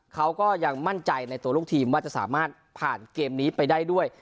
เขาก็ยังมั่นใจในตัวลูกทีมว่าจะสามารถผ่านเกมนี้ไปได้ด้วย